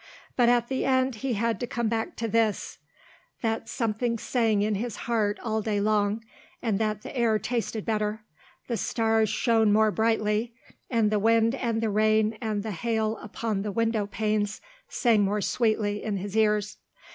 But at the end he had to come back to this: that something sang in his heart all day long and that the air tasted better, the stars shone more brightly, and the wind and the rain and the hail upon the window panes sang more sweetly in his ears.